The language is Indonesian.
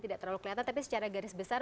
tidak terlalu kelihatan tapi secara garis besar